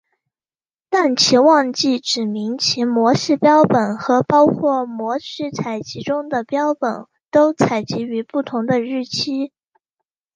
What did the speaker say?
但其忘记指明其模式标本和包括模式采集中的标本都采集于不同的日期。